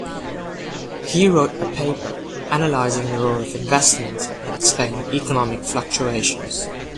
He wrote a paper analyzing the role of investment in explaining economic fluctuations.